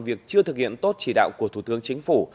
và thực hiện tốt chỉ đạo của thủ tướng chính phủ